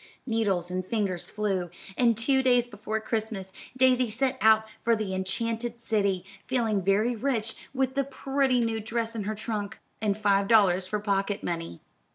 Needles and fingers flew, and two days before Christmas, Daisy set out for the enchanted city, feeling very rich with the pretty new dress in her trunk, and five dollars for pocket money.